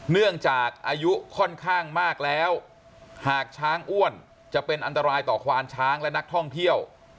เนื่องจากอายุค่อนข้างมากแล้วหากช้างอ้วนจะเป็นอันตรายต่อควานช้างและนักท่องเที่ยว